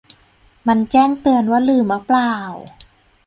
มันแจ้งเตือน ว่าลืมอ๊ะเปล่า